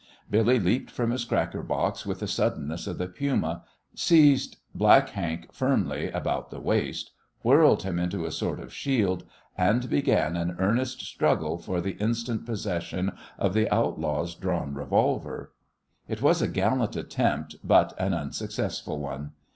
Billy leaped from his cracker box with the suddenness of the puma, seized Black Hank firmly about the waist, whirled him into a sort of shield, and began an earnest struggle for the instant possession of the outlaw's drawn revolver. It was a gallant attempt, but an unsuccessful one.